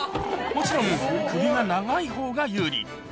もちろん、首が長いほうが有利。